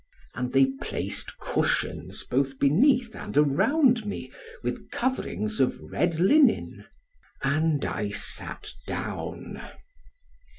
And they placed cushions both beneath and around me, with coverings of red linen. And I sat down.